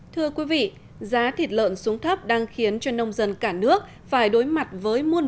thưa quý vị giá thịt lợn xuống thấp đang khiến cho nông dân cả nước phải đối mặt với muôn